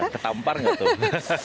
ketampar gak tuh